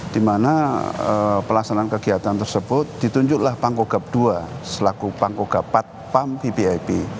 di mana pelaksanaan kegiatan tersebut ditunjuklah pangkogab dua selaku pangkogab empat pam vvip